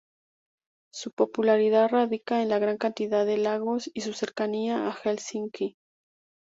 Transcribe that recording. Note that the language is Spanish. Su popularidad radica en la gran cantidad de lagos y su cercanía a Helsinki.